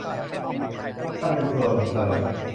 ถ้าเป็น "ส่วนเสริม"